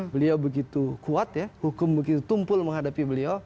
beliau begitu kuat ya hukum begitu tumpul menghadapi beliau